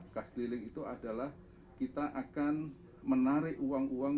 kas keliling itu adalah kita akan menarik uang uang